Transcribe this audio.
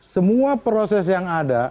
semua proses yang ada